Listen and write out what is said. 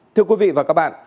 thưa quý vị và các bạn